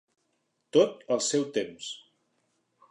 Tot al seu temps.